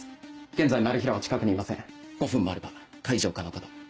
現在マル被らは近くにいません５分もあれば開錠可能かと。